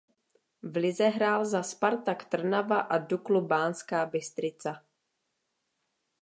V lize hrál za Spartak Trnava a Duklu Banská Bystrica.